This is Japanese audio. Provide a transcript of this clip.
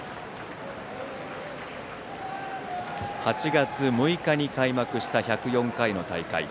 ８月６日に開幕した１０４回の大会。